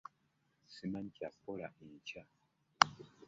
Simanyi kya kukola enkya.